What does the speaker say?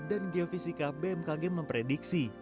dan geofisika bmkg memprediksi